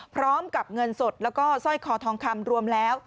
พร้อมกับเงินสดแล้วก็สร้อยคอทองคำรวมแล้ว